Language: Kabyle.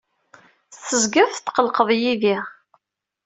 Tezgiḍ tetqellqeḍ yid-i.